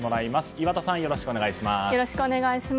岩田さん、よろしくお願いします。